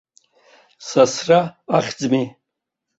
Сасра ахьӡми.